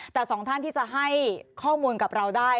แต่สองท่านที่จะให้ข้อมูลกับเราได้